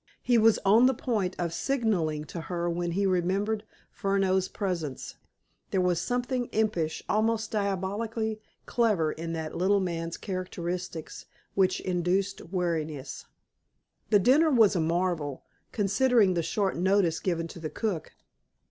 He was on the point of signaling to her when he remembered Furneaux's presence. There was something impish, almost diabolically clever, in that little man's characteristics which induced wariness. The dinner was a marvel, considering the short notice given to the cook.